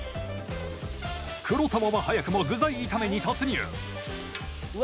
黒沢は早くも具材炒めに突入うわ